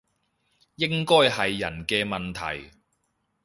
應該係人嘅問題